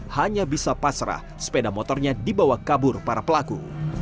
hanya bisa pasrah sepeda motornya dibawa kabur para pelaku